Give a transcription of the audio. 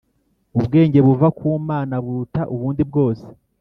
Ubwenge buva ku Mana buruta ubundi bwose